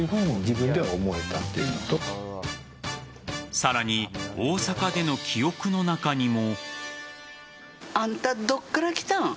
さらに大阪での記憶の中にも。